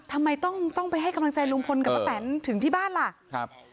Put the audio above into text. ทำไมต้องต้องไปให้กำลังใจลุงพลกับป้าแตนถึงที่บ้านล่ะครับ